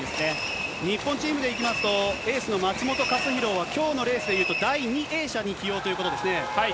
日本チームでいきますと、エースの松元克央はきょうのレースでいうと、第２泳者に起用といそうですね。